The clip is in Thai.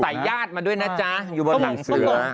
ญาติมาด้วยนะจ๊ะอยู่บนหลังเสือ